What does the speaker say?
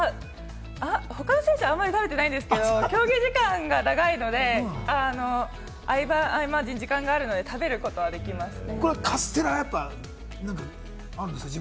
他の選手は食べてないんですけれども、競技時間が長いので、合間合間、時間があるので食べることはできますね。